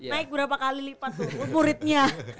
naik berapa kali lipat muridnya